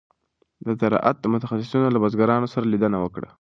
د زراعت متخصصینو له بزګرانو سره لیدنه وکړه.